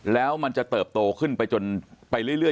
แล้วมันจะเติบโตขึ้นไปจนไปเรื่อย